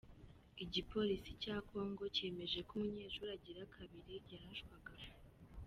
Igipolisi ca Congo cemeje ko umunyeshuli agira kabiri yarashwe agapfa.